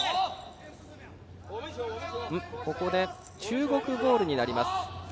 ここで中国ボールになります。